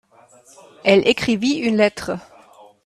Elle écrivit une lettre.